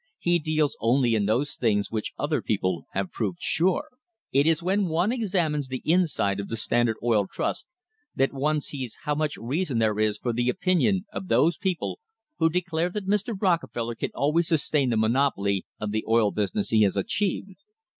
He deals only in those things which other people have proved sure! It is when one examines the inside of the Standard Oil Trust that one sees how much reason there is for the opinion of those people who declare that Mr. Rockefeller can always sustain the monopoly of the oil business he has achieved.